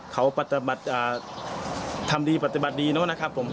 เขาปฏิบัติทำดีปฏิบัติดีเนอะนะครับผม